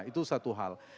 itu satu hal